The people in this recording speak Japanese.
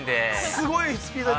◆すごいスピードで。